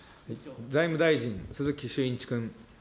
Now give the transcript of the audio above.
財務大臣、鈴木俊一君。